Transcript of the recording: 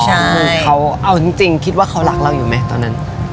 คือเขาเอาจริงคิดว่าเขารักเราอยู่ไหมตอนนั้น